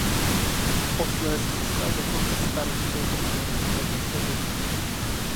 Posléze se stal dokonce starostou Umělecké besedy.